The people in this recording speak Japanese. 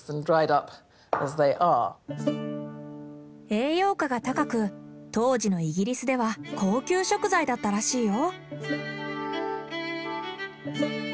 栄養価が高く当時のイギリスでは高級食材だったらしいよ。